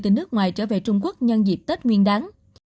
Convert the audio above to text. từ nước ngoài trở về trung quốc nhân dịp tết nguyên đáng